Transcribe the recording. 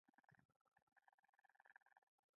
ستوري د علمي څیړنو لپاره لوی رازونه لري.